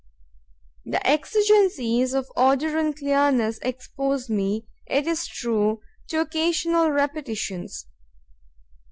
The exigencies of order and clearness expose me, it is true, to occasional repetitions.